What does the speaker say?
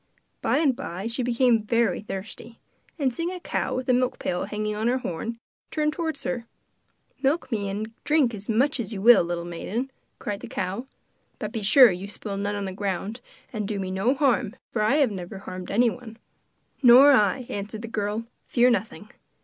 By and by she became very thirsty, and seeing a cow with a milk pail hanging on her horn, turned towards her. 'Milk me and drink as much as you will, little maiden,' cried the cow, 'but be sure you spill none on the ground; and do me no harm, for I have never harmed anyone.' 'Nor I,' answered the girl; 'fear nothing.